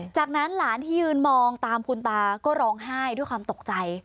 จากนั้นหลานที่ยืนมองตามคุณตาก็ร้องไห้ด้วยความตกใจ